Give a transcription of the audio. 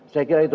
saya kira itu